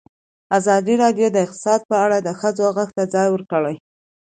ازادي راډیو د اقتصاد په اړه د ښځو غږ ته ځای ورکړی.